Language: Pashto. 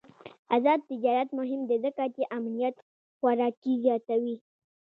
آزاد تجارت مهم دی ځکه چې امنیت خوراکي زیاتوي.